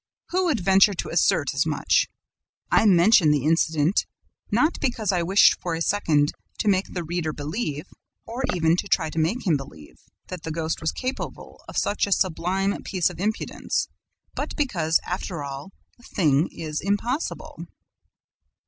Who would venture to assert as much? I mention the incident, not because I wish for a second to make the reader believe or even to try to make him believe that the ghost was capable of such a sublime piece of impudence; but because, after all, the thing is impossible.